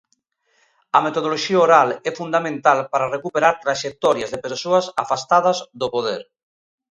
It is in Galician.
A metodoloxía oral é fundamental para recuperar traxectorias de persoas afastadas do poder.